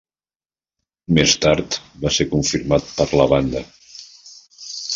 Més tard va ser confirmat per la banda.